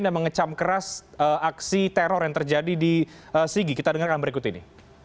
yang mengecam keras aksi teror yang terjadi di sigi kita dengarkan berikut ini